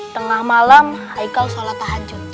tengah malam haikal sholat tahajud